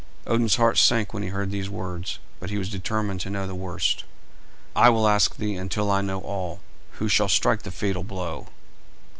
Odin's heart sank when he heard these words; but he was determined to know the worst. "I will ask thee until I know all. Who shall strike the fatal blow?"